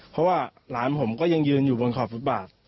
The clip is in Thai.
เพราะว่าหลานผมก็ยังยืนอยู่บนขอบฟุตบาท